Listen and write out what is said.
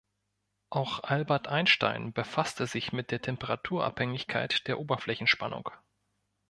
Auch Albert Einstein befasste sich mit der Temperaturabhängigkeit der Oberflächenspannung.